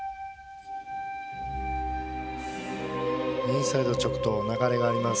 インサイドチョクトウ流れがあります。